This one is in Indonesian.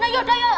nah yaudah yaudah